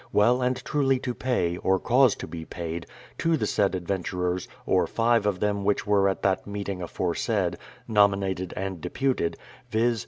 well and truly to paj', or cause to be paid, to the said adventurers, or 5 of them which were at that meeting afore said, nominated and deputed, viz.